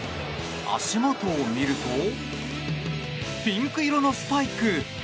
足元を見るとピンク色のスパイク。